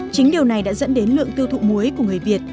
chính điều này đã dẫn đến lượng tiêu thụ muối của người việt